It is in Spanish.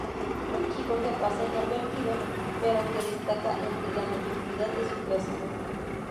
Un chico que pasa inadvertido pero que destaca entre la mediocridad de su clase.